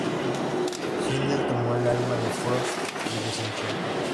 Sindel tomó el alma de Frost y la deshizo.